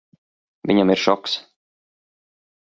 Viņam ir šoks.